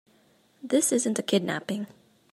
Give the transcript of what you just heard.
This isn't a kidnapping.